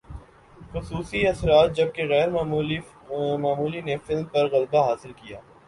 خصوصی اثرات جبکہ غیر معمولی نے فلم پر غلبہ حاصل کیا